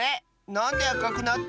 なんであかくなってんの？